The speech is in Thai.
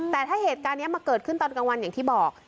แต่ถ้าเหตุการณ์นี้มาเกิดขึ้นตอนกลางวันอย่างที่บอก